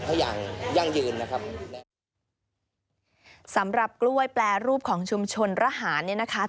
อย่างยั่งยืนนะครับสำหรับกล้วยแปรรูปของชุมชนระหารเนี่ยนะคะ